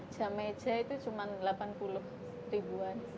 jamece itu cuma delapan puluh ribuan sih